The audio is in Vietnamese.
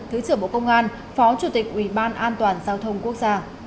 thứ trưởng bộ công an phó chủ tịch ubnd